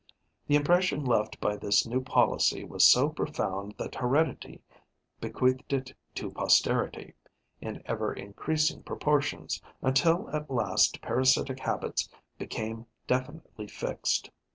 The impression left by this new policy was so profound that heredity bequeathed it to posterity, in ever increasing proportions, until at last parasitic habits became definitely fixed.